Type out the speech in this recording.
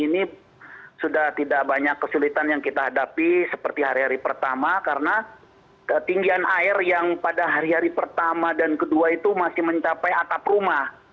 ini sudah tidak banyak kesulitan yang kita hadapi seperti hari hari pertama karena ketinggian air yang pada hari hari pertama dan kedua itu masih mencapai atap rumah